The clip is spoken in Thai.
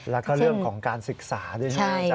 แล้วก็เรื่องของการศึกษาด้วยครับอาจารย์